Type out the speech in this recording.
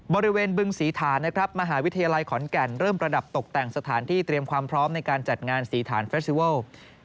บึงศรีฐานนะครับมหาวิทยาลัยขอนแก่นเริ่มประดับตกแต่งสถานที่เตรียมความพร้อมในการจัดงานศรีฐานเฟรชิเวิล